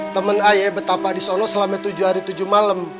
temen ayah betapa disana selama tujuh hari tujuh malam